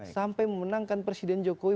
sampai memenangkan presiden jokowi